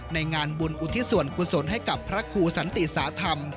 ในงานบุญอุทิศส่วนกุศลให้กับพระครูสันติสาธรรม